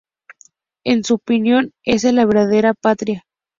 En su opinión esa es la verdadera patria.